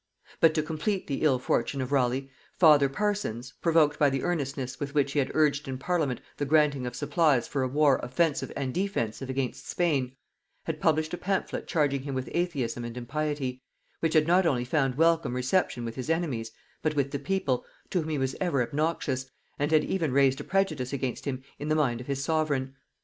But to complete the ill fortune of Raleigh, father Parsons, provoked by the earnestness with which he had urged in parliament the granting of supplies for a war offensive and defensive against Spain, had published a pamphlet charging him with atheism and impiety, which had not only found welcome reception with his enemies, but with the people, to whom he was ever obnoxious, and had even raised a prejudice against him in the mind of his sovereign.